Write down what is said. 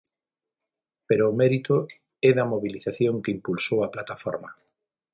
Pero o mérito é da mobilización que impulsou a plataforma.